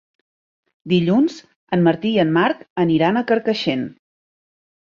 Dilluns en Martí i en Marc aniran a Carcaixent.